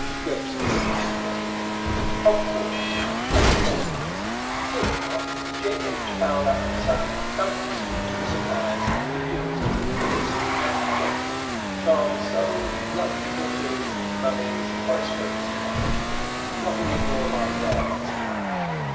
"Ghosts," I suggested. "Of course; page 41. Here we are. 'J. H. Fowler & Son, Dunkel Street, suppliers of mediums to the nobility and gentry; charms sold love philters mummies horoscopes cast.' Nothing in your line there, I suppose?"